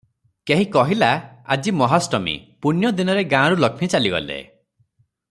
କେହି କହିଲା--ଆଜି ମହାଷ୍ଟମୀ, ପୁଣ୍ୟଦିନରେ ଗାଁରୁ ଲକ୍ଷ୍ମୀ ଚାଲିଗଲେ ।